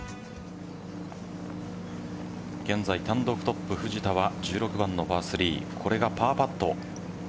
現在、単独トップ・藤田は１６番のパー３これがパーパット。